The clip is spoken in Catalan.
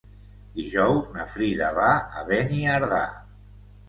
Dijous na Frida va a Beniardà.